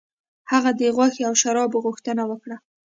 هغه د غوښې او شرابو غوښتنه وکړه.